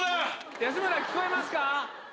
安村、聞こえますか？